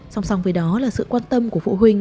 song song với đó là sự quan tâm của phụ huynh